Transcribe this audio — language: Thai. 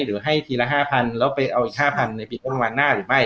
หรือให้ทีละ๕๐๐๐แล้วไปเอาอีก๕๐๐๐ในปีงบประมาณหน้าหรือไม่